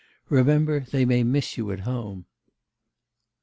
Remember they may miss you at home.